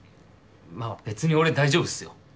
別に俺大丈夫っすよ。